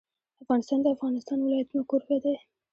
افغانستان د د افغانستان ولايتونه کوربه دی.